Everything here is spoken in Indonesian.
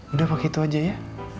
udah pakai itu aja ya